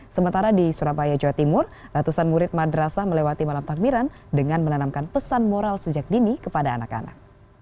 sementara di surabaya jawa timur ratusan murid madrasah melewati malam takbiran dengan menanamkan pesan moral sejak dini kepada anak anak